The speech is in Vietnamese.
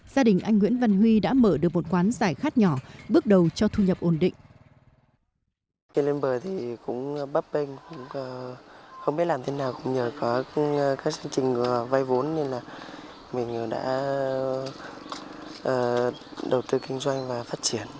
gia đình anh nguyễn văn huy đã mở được một quán giải khát nhỏ bước đầu cho thu nhập ổn định